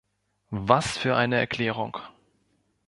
Was für eine Erklärung!